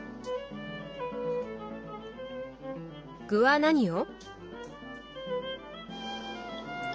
具は何を？